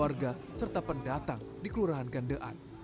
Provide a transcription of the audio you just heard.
warga serta pendatang di kelurahan gandean